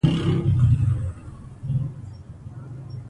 هنر د یوې با امنه او ارامه نړۍ د جوړولو لپاره لاره هواروي.